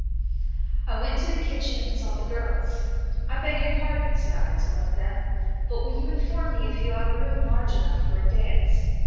I went into the kitchen and saw the girls. "I beg your pardon," said I to one of them; "but will you inform me if you have a room large enough for a dance."